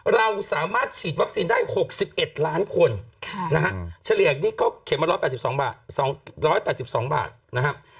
เราสามารถฉีดวัคซีนได้๖๑ล้านคนนะฮะเฉลี่ยนี่เขาเข็มมา๑๘๒บาท๒๘๒บาทนะครับ